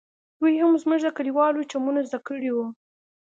دوى هم زموږ د کليوالو چمونه زده کړي وو.